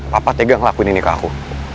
papa tega ngelakuin ini ke aku